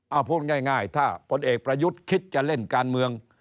เอาพูดง่ายถ้าพลเอกประยุทธ์คิดจะเล่นการเมือง